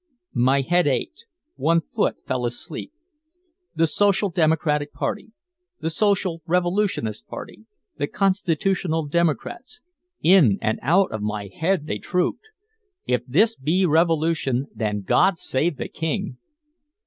My head ached, one foot fell asleep. The Social Democratic Party, the Social Revolutionist Party, the Constitutional Democrats, in and out of my head they trooped. If this be revolution, then God save the king!